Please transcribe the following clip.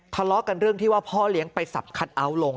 ทะเลาะกันเรื่องที่ว่าพ่อเลี้ยงไปสับคัทเอาท์ลง